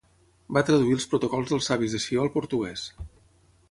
Va traduir els Protocols dels Savis de Sió al portuguès.